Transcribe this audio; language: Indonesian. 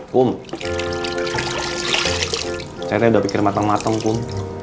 kum saya udah pikir mateng mateng kum